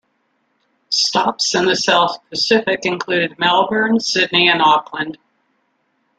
Stops in the South Pacific included Melbourne, Sydney, and Auckland.